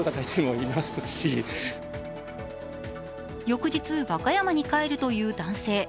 翌日、和歌山に帰るという男性。